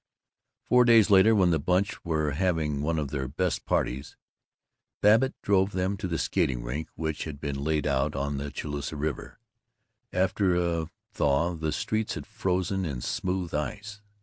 Four days later, when the Bunch were having one of their best parties, Babbitt drove them to the skating rink which had been laid out on the Chaloosa River. After a thaw the streets had frozen in smooth ice.